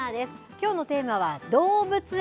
きょうのテーマは動物園。